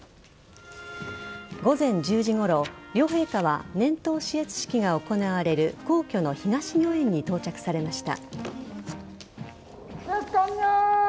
午前１０時ごろ両陛下は年頭視閲式が行われる皇居の東御苑に到着されました。